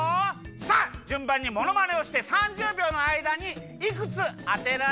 さあじゅんばんにものまねをして３０びょうのあいだにいくつあてられるかちょうせんするよ。